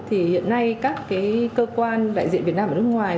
thì hiện nay các cơ quan đại diện việt nam ở nước ngoài